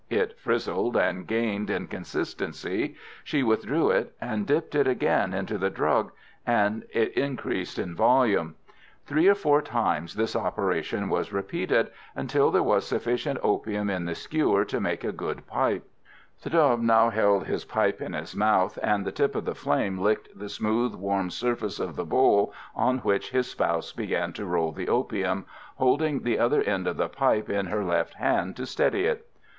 It frizzled and gained in consistency; she withdrew it, and dipped it again into the drug, and it increased in volume. Three or four times this operation was repeated, until there was sufficient opium on the skewer to make a good pipe. The Doy now held his pipe to his mouth, and the tip of the flame licked the smooth, warm surface of the bowl on which his spouse began to roll the opium, holding the other end of the pipe in her left hand to steady it.